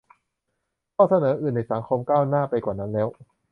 - ข้อเสนออื่นในสังคมเขาก้าวหน้าไปกว่านั้นแล้ว